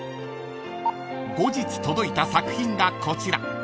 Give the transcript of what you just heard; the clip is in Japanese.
［後日届いた作品がこちら］